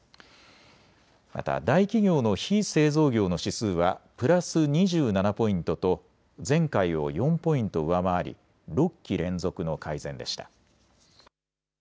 また大企業の非製造業の指数はプラス２７ポイントと前回を４ポイント上回り６期連続の改善でした。